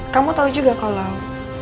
kamu tau juga kalau